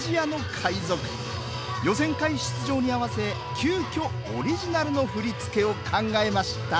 予選会出場に合わせ急きょオリジナルの振り付けを考えました。